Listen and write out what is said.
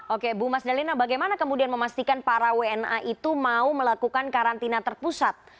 oke bu mas dalina bagaimana kemudian memastikan para wna itu mau melakukan karantina terpusat